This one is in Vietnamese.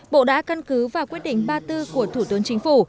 bộ đã căn cứ và quyết định ba tư của thủ tướng chính phủ